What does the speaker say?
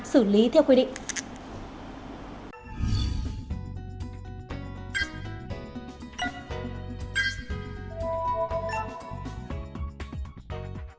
xử lý theo quy định